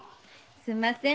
すんません。